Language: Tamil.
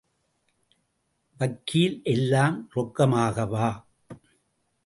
வக்கீல் எல்லாம் ரொக்கமாகவா?